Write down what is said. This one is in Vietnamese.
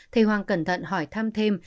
thầy hoàng cẩn thận hỏi thăm thêm